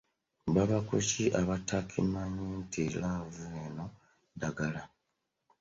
Baba ku ki abatakimanyi nti laavu eno ddagala?